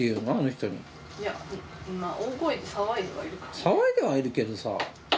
騒いではいるけどさ。